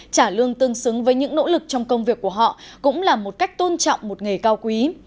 trả lương tương xứng với những nỗ lực trong công việc của họ cũng là một cách tôn trọng một nghề cao quý